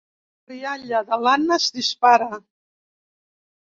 La rialla de l'Anna es dispara.